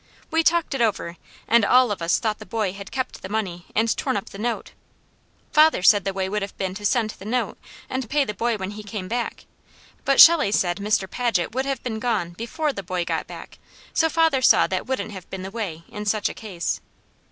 We talked it over, and all of us thought the boy had kept the money and torn up the note. Father said the way would have been to send the note and pay the boy when he came back; but Shelley said Mr. Paget would have been gone before the boy got back, so father saw that wouldn't have been the way, in such a case.